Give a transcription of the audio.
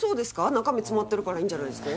中身詰まってるからいいんじゃないすか？